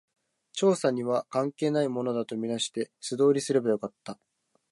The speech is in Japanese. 調査には関係ないものだと見なして、素通りすればよかった